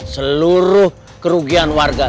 seluruh kerugian warga